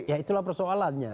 ya itulah persoalannya